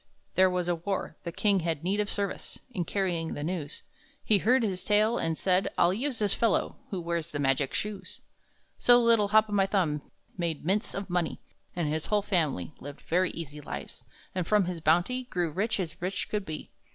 There was a war. The king had need of service In carrying the news. He heard his tale, and said, "I'll use this fellow Who wears the magic shoes." So little Hop o' my Thumb made mints of money, And his whole family Lived very easy lives, and from his bounty Grew rich as rich could be.